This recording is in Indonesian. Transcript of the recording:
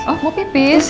oh mau pipis